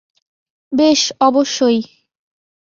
বেশ, অবশ্যই।